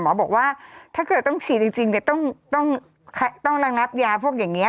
บอกว่าถ้าเกิดต้องฉีดจริงต้องระงับยาพวกอย่างนี้